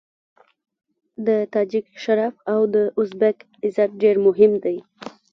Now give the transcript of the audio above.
د تاجک شرف او د ازبک عزت ډېر مهم دی.